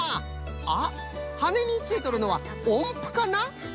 あっはねについとるのはおんぷかな？